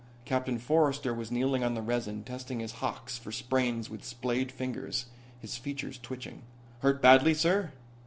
Captain Forrester was kneeling on the resin testing his hocks for sprains with splayed fingers, his features twitching. "Hurt badly, sir?"